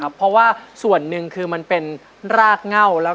แล้วก็เอามาสงครามแล้วนะครับ